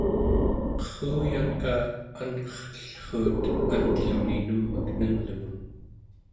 qerruyanka anqertellruut anllemni nem'ek nenglemun